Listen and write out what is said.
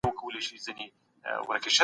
ما ته يې وويل چي دا کيسه پاى نلري.